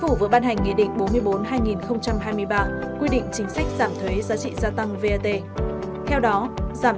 chính phủ vừa ban hành nghị định bốn mươi bốn hai nghìn hai mươi ba quy định chính sách giảm thuế giá trị gia tăng vat theo đó giảm